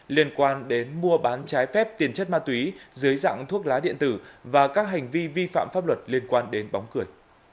liên quan đến mua bán trái phép tiền chất ma túy dưới dạng thuốc lá điện tử và các hành vi vi phạm pháp luật liên quan đến bóng cười